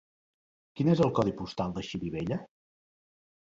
Quin és el codi postal de Xirivella?